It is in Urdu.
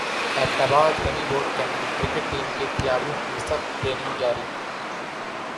ایبٹ باد رمی بوٹ کیمپ میں کرکٹ ٹیم کے کھلاڑیوں کی سخت ٹریننگ جاری